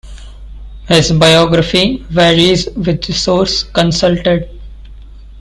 His biography varies with the source consulted.